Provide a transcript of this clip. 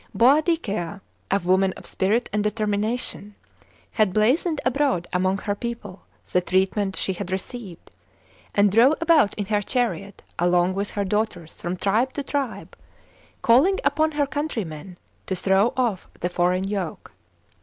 Boadicea, a woman of spirit and deter mination, had blazened abroad among her people the treatment she had received, and drove about in her chariot along with her daughters from tribe to tribe, calling upon her countrymen to throw off the foreign yoke.